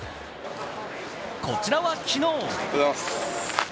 こちらは昨日。